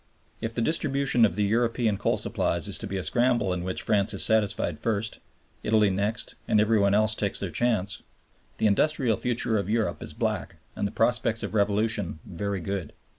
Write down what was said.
If the distribution of the European coal supplies is to be a scramble in which France is satisfied first, Italy next, and every one else takes their chance, the industrial future of Europe is black and the prospects of revolution very good.